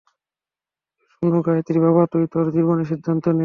শুন গায়েত্রী - বাবা - তুই তোর জীবনের সিদ্ধান্ত নে।